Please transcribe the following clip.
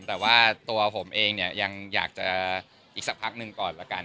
แต่ว่าตัวผมเองเนี่ยยังอยากจะอีกสักพักหนึ่งก่อนแล้วกัน